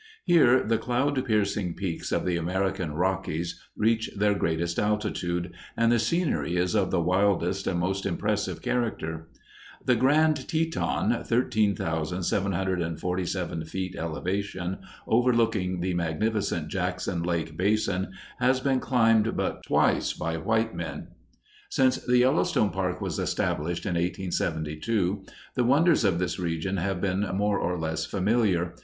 Here the cloud piercing peaks of the American Rockies reach their greatest altitude, and the scenery is of the wildest and most impressive character. The Grand Teton, 13,747 feet elevation, overlooking the magnificent Jackson Lake basin, has been climbed but twice by white men. Since the Yellowstone Park was established, in 1872, the wonders of this region have been more or less familiar.